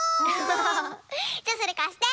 じゃそれかして。